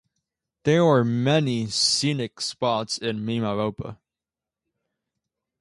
There are many scenic spots in Mimaropa.